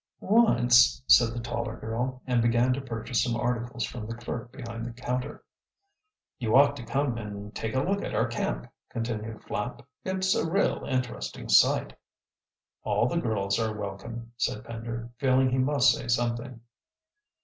"Once," said the taller girl, and began to purchase some articles from the clerk behind the counter. "You ought to come and take a look at our camp," continued Flapp. "It's a real interesting sight." "All the girls are welcome," said Pender, feeling he must say something.